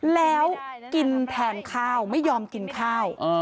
แล้วกินแทนข้าวไม่ยอมกินข้าว